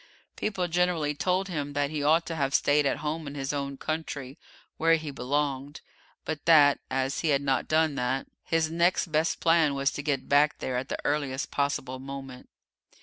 People generally told him that he ought to have stayed at home in his own country, where he belonged; but that, as he had not done that, his next best plan was to get back there at the earliest possible moment.